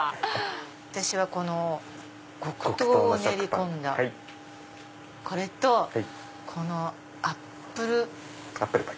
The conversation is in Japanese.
私は黒糖を練り込んだこれとこのアップルパイ。